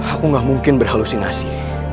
aku gak mungkin berhalusinasi